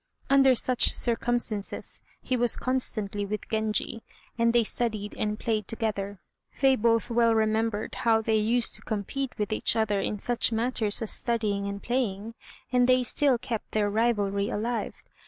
Under such circumstances he was constantly with Genji, and they studied and played together. They both well remembered how they used to compete with each other in such matters as studying and playing, and they still kept their rivalry alive.